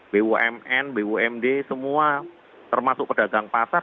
bumn bumd semua termasuk pedagang pasar